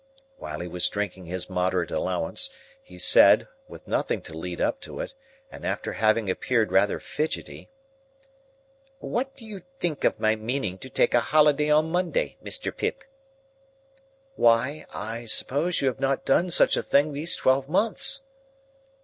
While he was drinking his moderate allowance, he said, with nothing to lead up to it, and after having appeared rather fidgety,— "What do you think of my meaning to take a holiday on Monday, Mr. Pip?" "Why, I suppose you have not done such a thing these twelve months."